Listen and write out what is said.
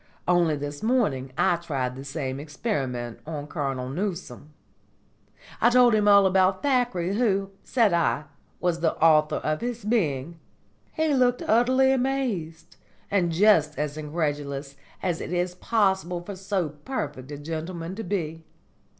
Only this morning I tried the same experiment on Colonel Newcome. I told him all about Thackeray, who, said I, was the author of his being. He was utterly amazed, and just as incredulous as it is possible for so perfect a gentleman to be.